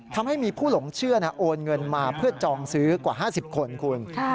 ทำให้มีผู้หลงเชื่อโอนเงินมาเพื่อจองซื้อกว่า๕๐คนคุณ